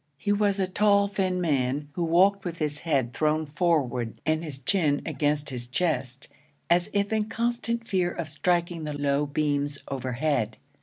He was a tall, thin man, who walked with his head thrown forward and his chin against his chest as if in constant fear of striking the low beams overhead.